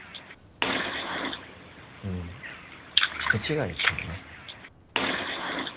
うん人違いかもね。